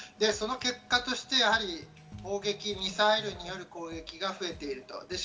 その結果としてやはり砲撃、ミサイルによる攻撃が増えていると。